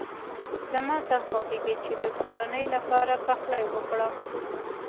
زما تل خوښېږی چي د کورنۍ لپاره پخلی وکړم.